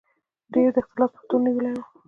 ډېر یې د اختلاس په تور نیولي وو.